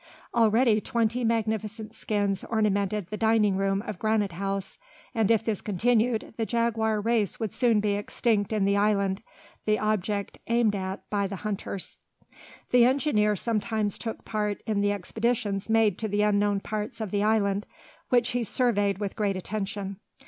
Already twenty magnificent skins ornamented the dining room of Granite House, and if this continued, the jaguar race would soon be extinct in the island, the object aimed at by the hunters. The engineer sometimes took part in the expeditions made to the unknown parts of the island, which he surveyed with great attention.